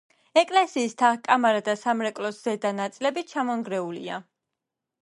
ეკლესიის თაღ-კამარა და სამრეკლოს ზედა ნაწილები ჩამონგრეულია.